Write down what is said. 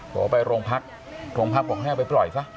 โยนไปโรงพักเดือนบอกให้เขาไปปล่อยซะ